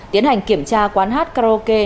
tiến hành kiểm tra quán hát karaoke